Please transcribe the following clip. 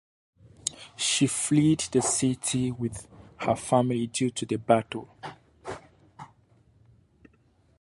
She fled the city with her family due to the battle.